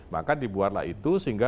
maka dibuarlah itu sehingga